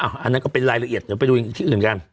อันนั้นก็เป็นรายละเอียดเดี๋ยวไปดูอีกที่อื่นกัน